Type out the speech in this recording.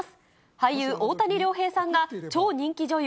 俳優、大谷亮平さんが、超人気女優